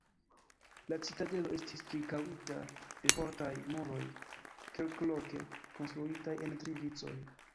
La citadelo estis ĉirkaŭita de fortaj muroj kelkloke konstruitaj en tri vicoj.